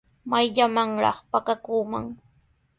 ¿Mayllamanraq pakakuuman?